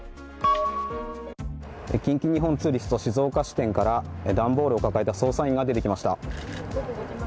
近畿日本ツーリスト静岡支店から段ボール抱えた捜査員が出てきました。